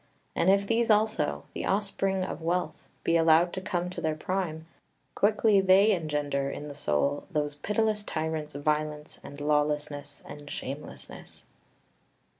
And if these also, the offspring of Wealth, be allowed to come to their prime, quickly they engender in the soul those pitiless tyrants, Violence, and Lawlessness, and Shamelessness.